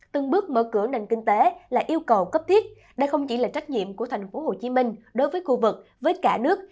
từng bước mở cửa nền kinh tế là yêu cầu cấp thiết đây không chỉ là trách nhiệm của tp hcm đối với khu vực với cả nước